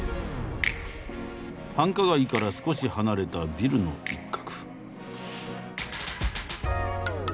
繁華街から少し離れたビルの一角。